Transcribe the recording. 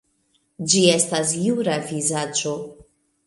Ĝi estas jura vizaĝo.